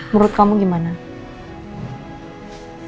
menurut kamu gimana